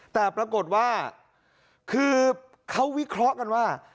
แต่ปรากฏว่าคือเขาวิเคราะห์กันว่า